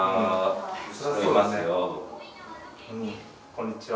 こんにちは。